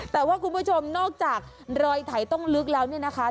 แต่ว่าคุณผู้ชมนอกจากรอยไถต้องลึกแล้วเนี่ยนะคะ